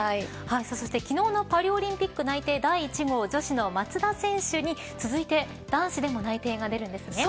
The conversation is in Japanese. そして昨日のパリオリンピック内定第１号女子の松田詩野選手に続いて男子でも内定が出るんですね。